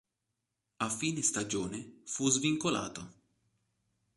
A fine stagione fu svincolato.